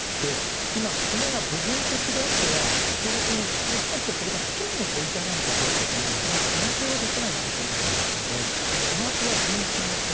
今、骨が部分的であっては警察も果たしてそれが１人のご遺体なのかもまだ断定はできないのでまずは全身の骨